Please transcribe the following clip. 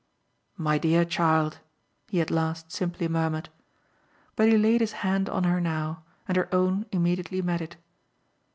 "My dear child!" he at last simply murmured. But he laid his hand on her now, and her own immediately met it.